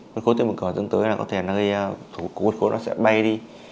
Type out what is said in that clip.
huyết khối tí mạch cửa dẫn tới là có thể huyết khối nó sẽ bay đi